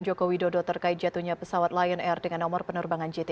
joko widodo terkait jatuhnya pesawat lion air dengan nomor penerbangan jt enam ratus sepuluh